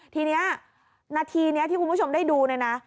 ทีนี้นาทีนี้ที่คุณผู้ชมได้ดูเนี่ยนะ